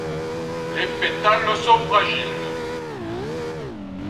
Les pétales sont fragiles.